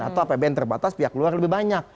atau apbn terbatas pihak luar lebih banyak